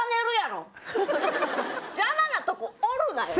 邪魔なとこおるなよ。